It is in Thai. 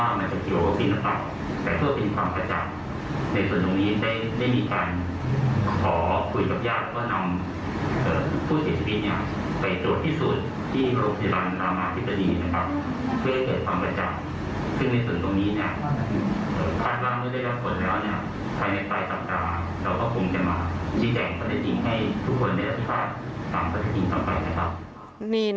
เราก็คงจะมาจีนแทนความอะฉีกจังให้ครูทุกคนข้างต่อไป